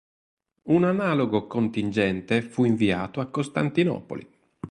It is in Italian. Un analogo contingente fu inviato a Costantinopoli.